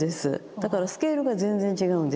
だからスケールが全然違うんですよ。